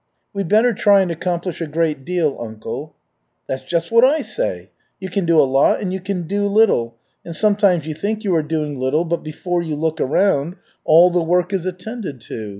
"We'd better try and accomplish a great deal, uncle." "That's just what I say. You can do a lot and you can do little, and sometimes you think you are doing little but before you look around, all the work is attended to.